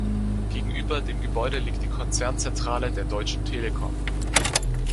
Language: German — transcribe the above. Gegenüber dem Gebäude liegt die Konzernzentrale der Deutschen Telekom.